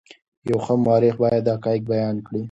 یو ښه مورخ باید حقایق بیان کړي.